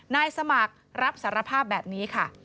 นายสมัครรับสารภาพแบบนี้ค่ะ